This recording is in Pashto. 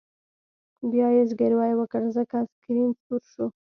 بیا یې زګیروی وکړ ځکه سکرین سور شو